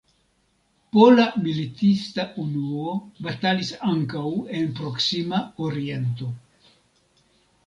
Pola militista unuo batalis ankaŭ en Proksima Oriento.